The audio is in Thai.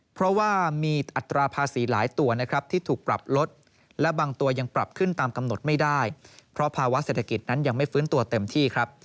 เพราะว่ามีอัตราภาษีหลายตัวนะครับที่ถูกปรับลดและบางตัวยังปรับขึ้นตามกำหนดไม่ได้เพราะภาวะเศรษฐกิจนั้นยังไม่ฟื้นตัวเต็มที่ครับ